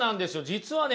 実はね